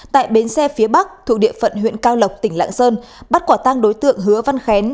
tại bến xe phía bắc thuộc địa phận huyện cao lộc tỉnh lạng sơn bắt quả tang đối tượng hứa văn khén